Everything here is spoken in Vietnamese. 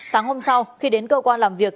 sáng hôm sau khi đến cơ quan làm việc